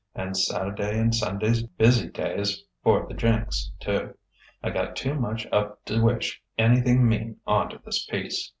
And Sat'day and Sunday's busy days for the Jinx, too. I got too much up to wish anything mean onto this piece!..."